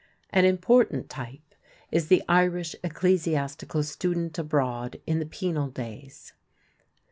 An important type is the Irish ecclesiastical student abroad in the penal days.